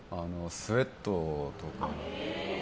スウェットとか。